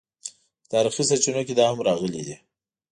په تاریخي سرچینو کې دا هم راغلي دي.